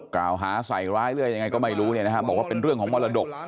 กล่าวหาใส่ร้ายหรือยังไงก็ไม่รู้เนี่ยนะฮะบอกว่าเป็นเรื่องของมรดก